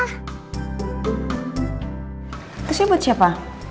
itu sih buat siapa